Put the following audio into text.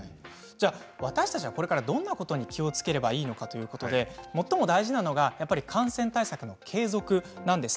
私たちはどんなことに気をつけていけばいいのかということで最も大事なことは感染対策の継続なんです。